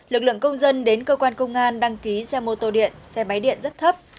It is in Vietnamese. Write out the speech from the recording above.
lực lượng công dân đến cơ quan công an đăng ký xe mô tô điện xe máy điện rất thấp